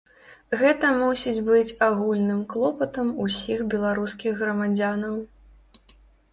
Гэта мусіць быць агульным клопатам усіх беларускіх грамадзянаў.